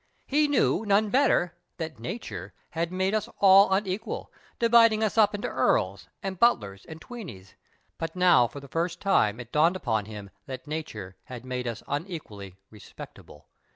He knew, none better, that " nature " had made us all unequal, dividing us up into carls and butlers and tweenies, but now for the first time it dawned upon him that *' nature " had made us unequally respectable.